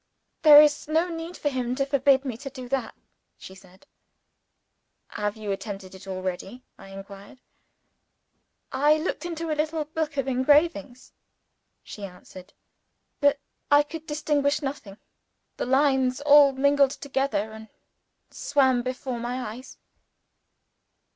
"There is no need for him to forbid me to do that," she said. "Have you attempted it already?" I inquired. "I looked into a little book of engravings," she answered. "But I could distinguish nothing. The lines all mingled together and swam before my eyes."